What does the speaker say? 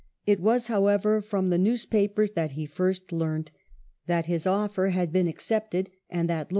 It was, however, from the news papers that he first learnt that his offer had been accepted and that ^ C